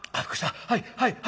はいはいはい」。